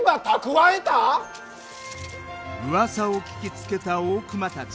うわさを聞きつけた大隈たち。